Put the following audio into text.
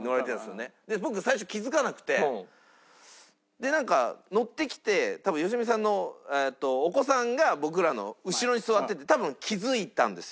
でなんか乗ってきて多分良純さんのお子さんが僕らの後ろに座ってて多分気付いたんですよ。